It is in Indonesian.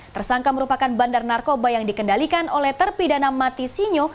tersangka merupakan bandar narkoba yang dikendalikan oleh terpidana mati sinyo